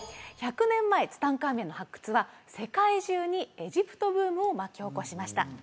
１００年前ツタンカーメンの発掘は世界中にエジプトブームを巻き起こしました